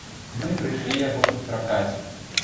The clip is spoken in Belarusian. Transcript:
Мы прыйшлі яго сустракаць.